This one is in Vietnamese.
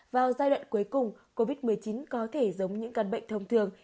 vào giai đoạn cuối cùng covid một mươi chín có thể giống những căn bệnh thông thường